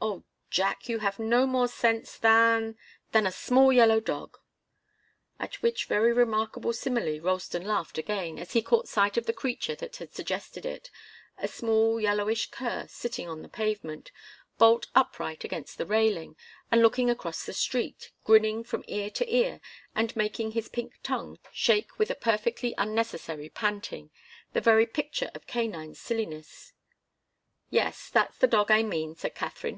"Oh, Jack you have no more sense than than a small yellow dog!" At which very remarkable simile Ralston laughed again, as he caught sight of the creature that had suggested it a small yellowish cur sitting on the pavement, bolt upright against the railing, and looking across the street, grinning from ear to ear and making his pink tongue shake with a perfectly unnecessary panting, the very picture of canine silliness. "Yes that's the dog I mean," said Katharine.